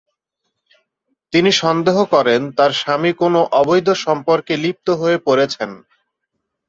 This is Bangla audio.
তিনি সন্দেহ করেন, তার স্বামী কোনও অবৈধ সম্পর্কে লিপ্ত হয়ে পড়েছেন।